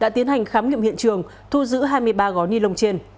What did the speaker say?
đã tiến hành khám nghiệm hiện trường thu giữ hai mươi ba gói ni lông trên